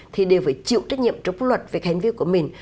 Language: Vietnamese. thì đều phải chịu trách nhiệm trong quốc luật về hành vi của mình